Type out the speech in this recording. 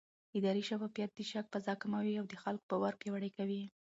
اداري شفافیت د شک فضا کموي او د خلکو باور پیاوړی کوي